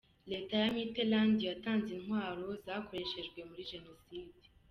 Leta ya Mitterand yatanze intwaro zakoreshejwe muri Jenoside.